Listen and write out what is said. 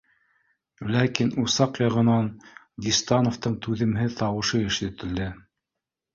Ләкин усаҡ яғынан Диста- новтың түҙемһеҙ тауышы ишетелде: